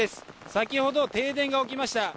先ほど、停電が起きました。